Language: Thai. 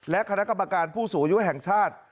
และคณะกรรมการผู้สูงอายุแห่งชาติ